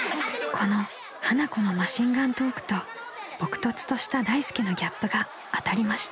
［この花子のマシンガントークとぼくとつとした大助のギャップが当たりました］